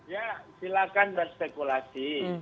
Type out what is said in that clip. ya silakan berstekulasi